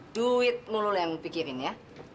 duit mulu lo yang pikirin ya